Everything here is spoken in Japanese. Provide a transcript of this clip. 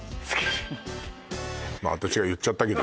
私が言っちゃったけど